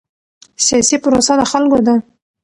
سیاسي پروسه د خلکو ده